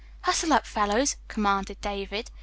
"Hustle up, fellows," commanded David.